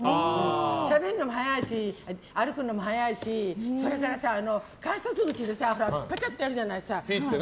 しゃべるのが早いし歩くのも早いしそれから改札口でぺちゃってやるじゃない？